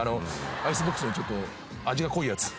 アイスボックスの味が濃いやつ。